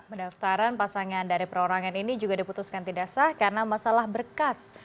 pendaftaran pasangan dari perorangan ini juga diputuskan tidak sah karena masalah berkas